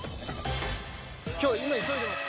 今日今急いでます？